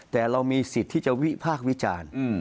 แต่เรามีสิทธิ์ที่จะวิพากษ์วิจารณ์